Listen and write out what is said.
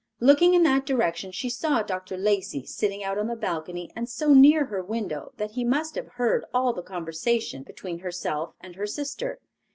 Looking in that direction she saw Dr. Lacey sitting out on the balcony and so near her window that he must have heard all the conversation between herself and her sister!